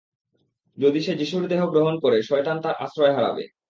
যদি সে যিশুর দেহ গ্রহণ করে, শয়তান তার আশ্রয় হারাবে।